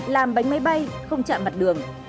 làm bánh máy bay không chạm mặt đường